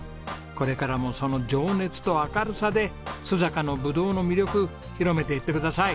これからもその情熱と明るさで須坂のぶどうの魅力広めていってください。